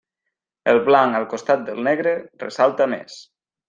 El blanc al costat del negre, ressalta més.